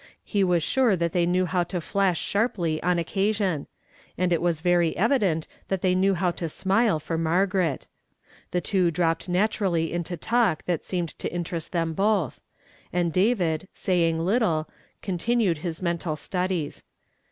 He was sure that they knew how to flash sharply on occasion ; and it was very evident that they knew how to smile for Margaret. The two dropped naturally into talk that seemed to interest them both ; and David, say ing little, continued his mental studies.